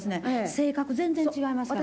性格全然違いますからね。